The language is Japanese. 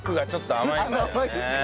甘いですか？